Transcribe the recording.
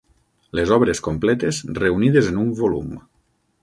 Les obres completes reunides en un volum.